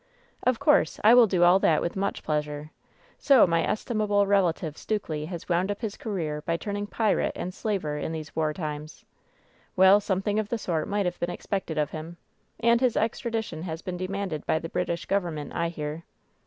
"Of course, I will do all that with much pleasure. So my estimable relative, Stukely, has wound up his career by turning pirate and slaver in these war times I Well, something of the sort might have been expected of him. And his extradition has been demanded by the British Government, I hear."